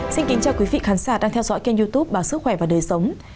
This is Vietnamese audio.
xin kính chào quý vị khán giả đang theo dõi kênh youtube báo sức khỏe và đời sống